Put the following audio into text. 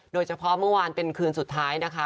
โดยเฉพาะเมื่อวานเป็นคืนสุดท้ายนะคะ